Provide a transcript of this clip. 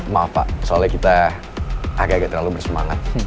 maaf pak soalnya kita agak agak terlalu bersemangat